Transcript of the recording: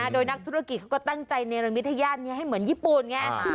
โดยนักธุรกิจเขาก็ตั้งใจเนรมิตย่านนี้ให้เหมือนญี่ปุ่นไง